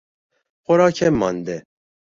خوراک مانده